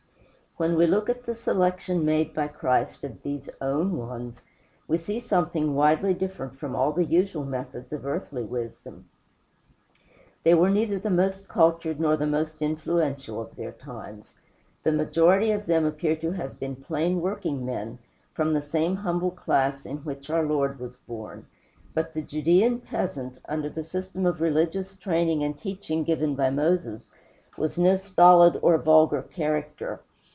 When we look at the selection made by Christ of these own ones, we see something widely different from all the usual methods of earthly wisdom. They were neither the most cultured nor the most influential of their times. The majority of them appear to have been plain workingmen, from the same humble class in which our Lord was born. But the Judæan peasant, under the system of religious training and teaching given by Moses, was no stolid or vulgar character.